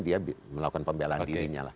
dia melakukan pembelaan dirinya lah